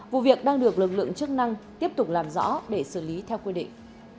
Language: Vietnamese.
vụ việc đang được lực lượng chức năng tiếp tục làm rõ để xử lý theo quy định